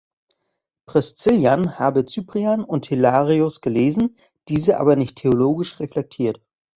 Priscillian habe Cyprian und Hilarius gelesen, diese aber nicht theologisch reflektiert.